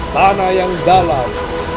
tanah yang dalam